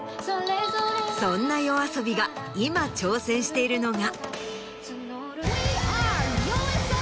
そんなＹＯＡＳＯＢＩが今挑戦しているのが。